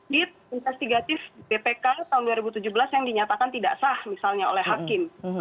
di investigatif bpk tahun dua ribu tujuh belas yang dinyatakan tidak sah misalnya oleh hakim